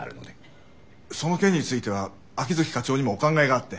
その件については秋月課長にもお考えがあって。